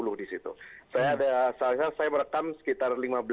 saya ada saat ini saya merekam sekitar